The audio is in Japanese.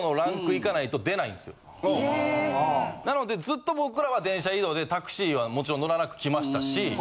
なのでずっと僕らは電車移動でタクシーはもちろん乗らなくきましたし。